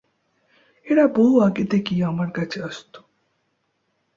এরা বহু আগে থেকেই আমার কাছে আসতো।